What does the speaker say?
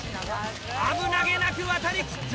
危なげなく渡り切った！